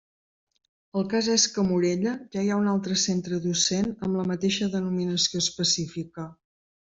El cas és que a Morella ja hi ha un altre centre docent amb la mateixa denominació específica.